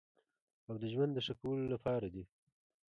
او د ژوند د ښه کولو لپاره دی.